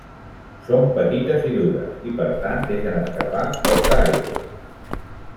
Són petites i dures, i, per tant, deixen escapar poca aigua.